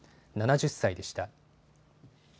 ７０歳でした。